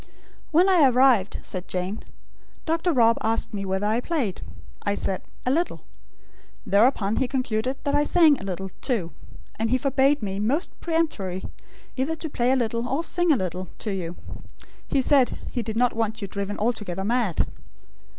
"When I arrived," said Jane, "Dr. Rob asked me whether I played. I said: 'A little.' Thereupon he concluded I sang a little, too; and he forbade me, most peremptorily, either to play a little; or sing a little, to you. He said he did not want you driven altogether mad."